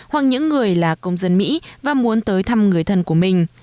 hoặc những người là công dân mỹ và muốn tới thăm người thân của mình